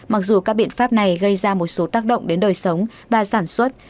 mặc dù các biện pháp này gây ra một số tác động đến đời sống và sản xuất